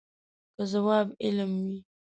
که ځواب علم وي.